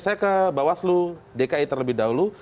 saya ke bawaslu dki terlebih dahulu